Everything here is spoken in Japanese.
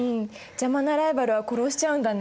邪魔なライバルは殺しちゃうんだね。